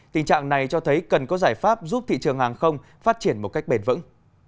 tình trạng này cho thấy cần có giải pháp giúp thị trường hàng không phát triển một cách bền vững